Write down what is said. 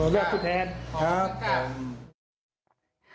เลือกผู้แทนครับ